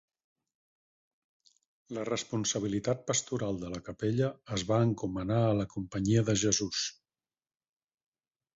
La responsabilitat pastoral de la capella es va encomanar a la Companyia de Jesús.